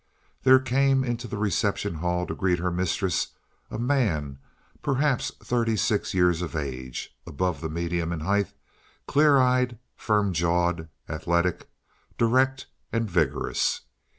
There came into the reception hall to greet her mistress a man of perhaps thirty six years of age, above the medium in height, clear eyed, firm jawed, athletic, direct, and vigorous.